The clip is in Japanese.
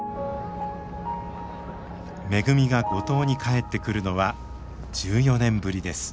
めぐみが五島に帰ってくるのは１４年ぶりです。